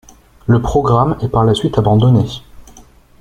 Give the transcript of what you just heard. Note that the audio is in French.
Le programme est par la suite abandonné.